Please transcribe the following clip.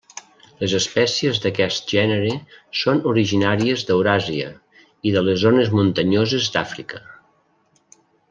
Les espècies d'aquest gènere són originàries d'Euràsia i de les zones muntanyoses d'Àfrica.